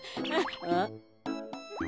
あっ？